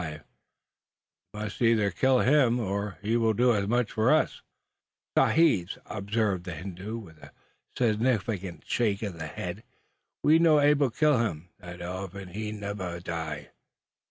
We must either kill him, or he will do as much for us." "Sahibs," observed the Hindoo, with a significant shake of the head, "we no able killee him; that elephan' he nebba die."